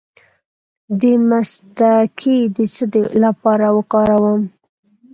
د مصطکي د څه لپاره وکاروم؟